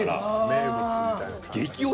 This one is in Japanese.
名物みたいな。